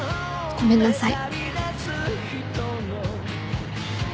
ごめんなさい。